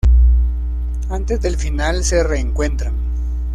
Antes del final se reencuentran.